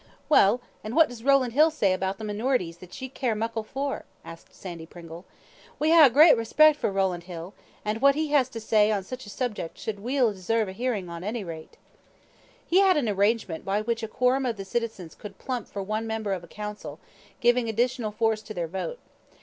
"Well, and what does Rowland Hill say about the minorities that ye care muckle for?" asked Sandy Pringle. "We hae a' great respect for Rowland Hill, and what he has to say on sic a subject should weel deserve a hearing at ony rate." "He had an arrangement by which a quorum of the citizens could plump for one member of council, giving additional force to their vote.